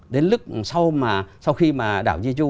đến lúc sau mà sau khi mà đảo jeju